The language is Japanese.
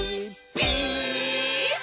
ピース！」